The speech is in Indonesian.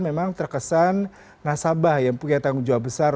memang terkesan nasabah yang punya tanggung jawab besar